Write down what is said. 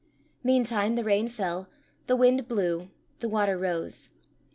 Mean time the rain fell, the wind blew, the water rose.